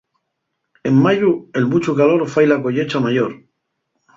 En mayu, el munchu calor fai la collecha mayor.